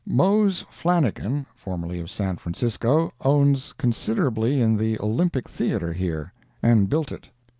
Mose Flannigan, formerly of San Francisco, owns considerably in the Olympic Theatre here, and built it.